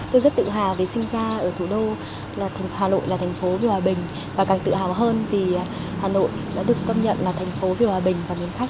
tôi rất tự hào về sinh ra ở thủ đô là hà nội là thành phố vì hòa bình và càng tự hào hơn vì hà nội đã được công nhận là thành phố vì hòa bình và mến khách